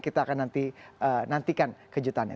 kita akan nantikan kejutannya